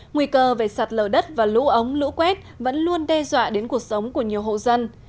nguy cơ về sạt lở đất và lũ ống lũ quét vẫn luôn đe dọa đến cuộc sống của nhiều hộ dân